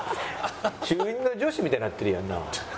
中２の女子みたいになってるやんなあ。